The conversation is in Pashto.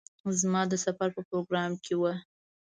زما د سفر په پروگرام کې وه.